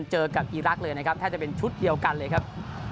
เจอกับอีรักษ์เลยนะครับแทบจะเป็นชุดเดียวกันเลยครับ